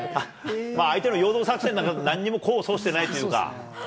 相手の陽動作戦なんかなんにも功を奏してないというか。